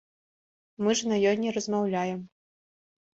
Мы ж на ёй не размаўляем.